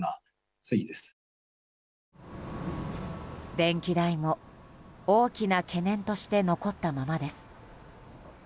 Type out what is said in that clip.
電気代も大きな懸念として残ったままです。